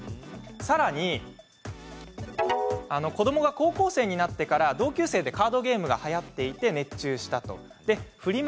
さらに子どもが高校生になってから同級生でカードゲームがはやっていて熱中したと。